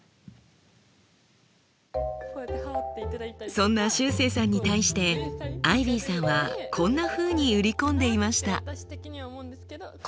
そんなしゅうせいさんに対してアイビーさんはこんなふうに売り込んでいました。